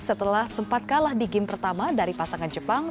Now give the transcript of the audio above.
setelah sempat kalah di game pertama dari pasangan jepang